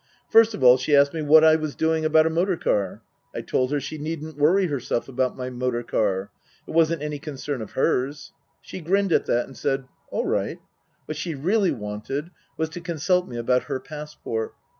First of all, she asked me what I was doing about a motor car ? I told her she needn't worry herself about my motor car. It wasn't any concern of hers. She grinned at that and said, All right. What she really wanted was to consult me about her passport.